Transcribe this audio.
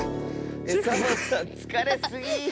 サボさんつかれすぎ！